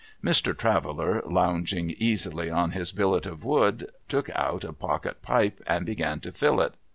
Mr, Traveller, lounging easily on his billet of wood, took out a pocket pipe and began to fill it.